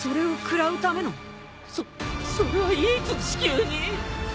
そそれはいつ地球に？